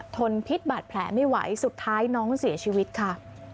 ทนพิษบาดแผลไม่ไหวสุดท้ายน้องเสียชีวิตค่ะ